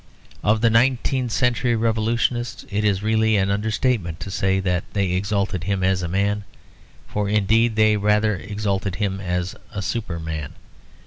Of the nineteenth century revolutionists it is really an understatement to say that they exalted him as a man; for indeed they rather exalted him as a superman.